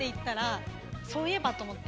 そういえばと思って。